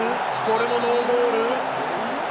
これもノーゴール。